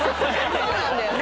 そうなんだよね。